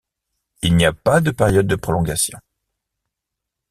Il n'y a pas de période de prolongation.